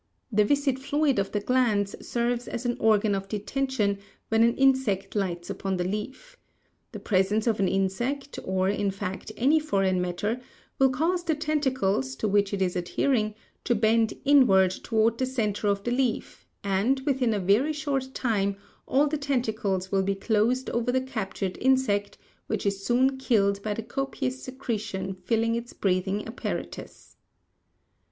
The viscid fluid of the glands serves as an organ of detention when an insect lights upon the leaf. The presence of an insect, or, in fact, any foreign matter, will cause the tentacles, to which it is adhering, to bend inward toward the center of the leaf and within a very short time all the tentacles will be closed over the captured insect, which is soon killed by the copious secretion filling its breathing apparatus.